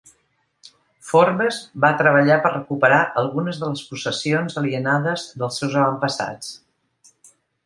Forbes va treballar per recuperar algunes de les possessions alienades dels seus avantpassats.